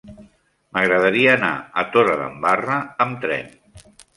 M'agradaria anar a Torredembarra amb tren.